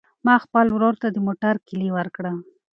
ما خپل ورور ته د موټر کیلي ورکړه.